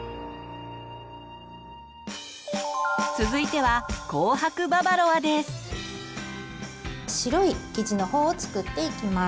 続いては白い生地の方を作っていきます。